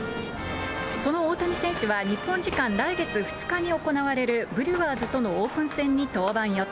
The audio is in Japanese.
その大谷選手は日本時間来月２日に行われる、ブリュワーズとのオープン戦に登板予定。